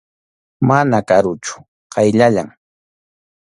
Mana karuchu, qayllallam.